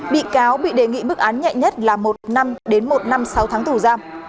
bị cáo bị đề nghị mức án nhẹ nhất là một năm đến một năm sáu tháng tù giam